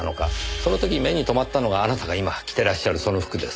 その時目にとまったのがあなたが今着てらっしゃるその服です。